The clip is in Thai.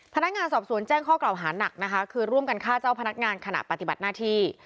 พนักงานสอบสวนแจ้งข้อกล่าวหานักนะคะคือร่วมกันฆ่าเจ้าพนักงานขณะปฏิบัติหน้าที่